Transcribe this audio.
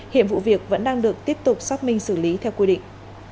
hiện vụ việc vẫn đang được tiếp tục xác minh xử lý theo quy định